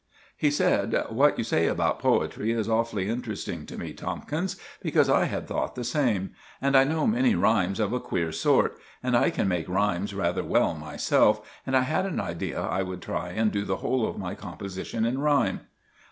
He said, "What you say about poetry is awfully interesting to me, Tomkins, because I had thought the same. And I know many rhymes of a queer sort, and I can make rhymes rather well myself, and I had an idea I would try and do the whole of my composition in rhyme."